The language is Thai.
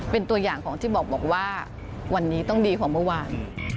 เป็นตัวอย่างของที่บอกว่าวันนี้ต้องดีกว่าเมื่อวาน